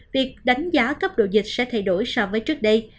việc đánh giá cấp độ dịch sẽ thay đổi so với trước đây